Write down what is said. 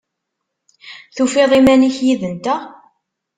Tufiḍ iman-ik yid-nteɣ?